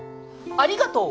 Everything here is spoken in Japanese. ありがとう。